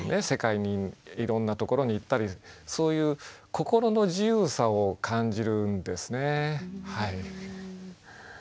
世界にいろんな所に行ったりそういう心の自由さを感じるんですね。